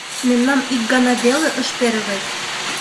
Мемнам ик гана веле ыш пере вет...